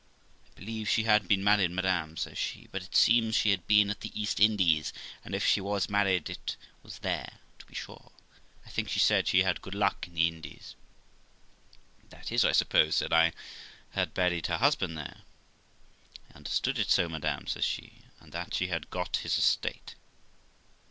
'I believe she had been married, madam', says she, 'but it seems she had been at the East Indies ; and if she was married, it was there, to be sure. I think she said she had good luck in the Indies.' 'That is, I suppose', said I, 'had buried her husband there.' 'I under stood it so, madam', says she, 'and that she had got his estate.'